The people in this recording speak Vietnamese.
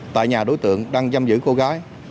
tại nhà đối tượng đang giam giữ cô gái